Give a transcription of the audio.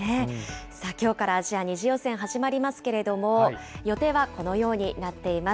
きょうからアジア２次予選始まりますけれども、予定はこのようになっています。